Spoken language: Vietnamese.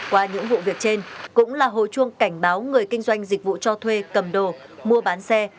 qua những vụ việc trên cũng là hồi chuông cảnh báo người kinh doanh dịch vụ cho thuê cầm đồ mua bán xe